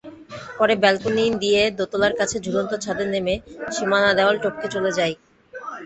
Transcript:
পরে ব্যালকনি দিয়ে দোতলার কাছে ঝুলন্ত ছাদে নেমে সীমানাদেয়াল টপকে চলে যায়।